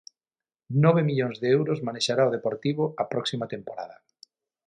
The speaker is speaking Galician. Nove millóns de euros manexará o Deportivo a próxima temporada.